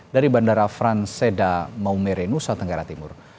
dari bandara franseda maumere nusa tenggara timur